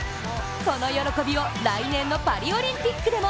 この喜びを来年のパリオリンピックでも。